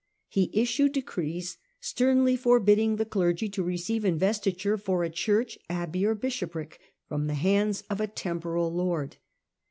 He issued decrees sternly forbidding the clergy to receive investiture for a church, abbey or bishopric, from the hands of a temporal lord.